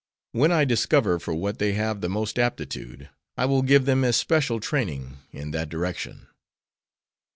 When I discover for what they have the most aptitude I will give them especial training in that direction."